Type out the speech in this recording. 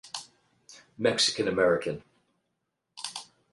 Mexican American.